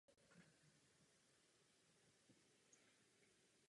Nachází se v katastrálním území města Skalica v okrese Skalica v Trnavském kraji.